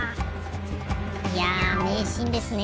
いやめいシーンですね。